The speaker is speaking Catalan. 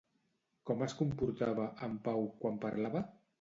Com es comportava, en Pau, quan parlava?